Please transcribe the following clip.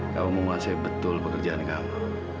kamu menguasai betul pekerjaan kamu